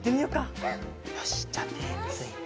よしじゃあてついて。